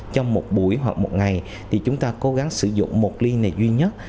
trong một buổi hoặc một ngày thì chúng ta cố gắng sử dụng một ly này duy nhất